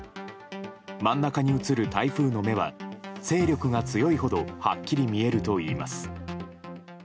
真ん中に写る台風の目は勢力が強いほどはっきり見えるといいます。